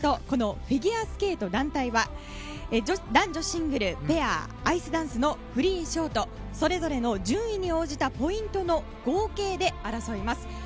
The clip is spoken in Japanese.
このフィギュアスケート団体は男女シングル、ペアアイスダンスのフリー、ショートそれぞれの順位に応じたポイントの合計で争います。